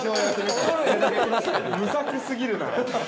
◆無策過ぎるな。